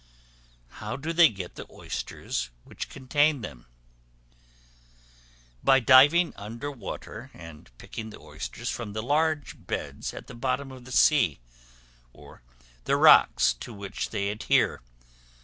How do they get the Oysters which contain them? By diving under water and picking the oysters from the large beds at the bottom of the sea; or the rocks to which they adhere.